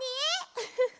ウフフ。